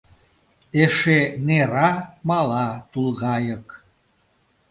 Эше нера, мала тулгайык.